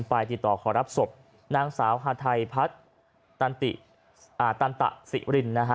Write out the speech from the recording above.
ไปติดต่อขอรับศพนางสาวฮาไทพัฒน์ตันตะสิรินนะฮะ